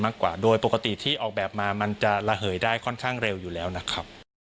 มากกว่าโดยปกติที่ออกแบบมามันจะระเหยได้ค่อนข้างเร็วอยู่แล้วนะครับ